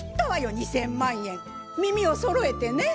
２０００万円耳をそろえてね。